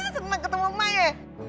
seneng ketemu ma ya